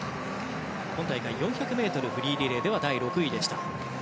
今大会４００ｍフリーリレーでは第６位でした。